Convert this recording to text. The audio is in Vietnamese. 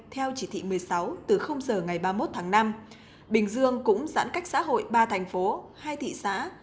theo chỉ thị một mươi sáu từ giờ ngày ba mươi một tháng năm bình dương cũng giãn cách xã hội ba thành phố hai thị xã